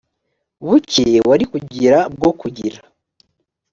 buke wari kugira bwo kugira